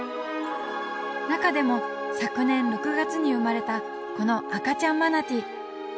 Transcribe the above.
中でも昨年６月に生まれたこの赤ちゃんマナティー。